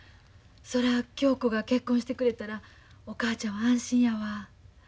そら恭子が結婚してくれたらお母ちゃんは安心やわ。